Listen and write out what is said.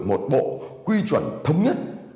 một bộ quy chuẩn thống nhất